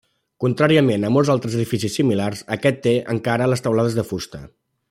Contràriament a molts altres edificis similars, aquest té encara les teulades de fusta.